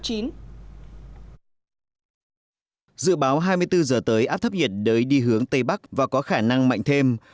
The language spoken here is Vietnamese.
dự báo hai mươi bốn h tới áp thấp nhiệt đới đi hướng tây bắc và có khả năng mạnh thêm